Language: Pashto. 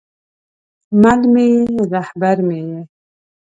مل مې یې، رهبر مې یې